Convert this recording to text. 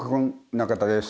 中田です。